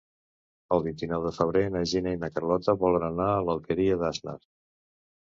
El vint-i-nou de febrer na Gina i na Carlota volen anar a l'Alqueria d'Asnar.